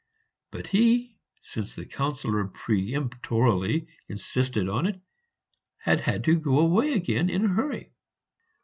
But he, since the Councillor peremptorily insisted on it, had had to go away again in a hurry.